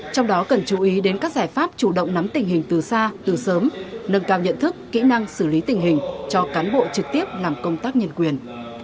trong đó cần chú ý đến các giải pháp chủ động nắm tình hình từ xa từ sớm nâng cao nhận thức kỹ năng xử lý tình hình cho cán bộ trực tiếp làm công tác nhân quyền